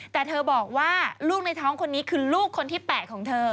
แต่เธอบอกว่าลูกในท้องคนนี้คือลูกคนที่๘ของเธอ